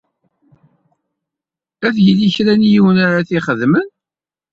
Ad yili kra n yiwen ara t-ixedmen.